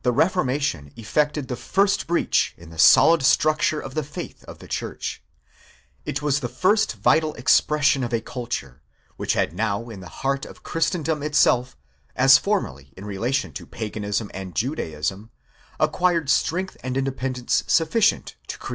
The re formation effected the first breach in the solid structure of the faith of the church. It was the first vital expression of a culture, which had now in the heart of Christendom itself, as formerly in relation to Paganism and Judaism, acquired strength and independence sufficient to create a reaction against the 13 Comm.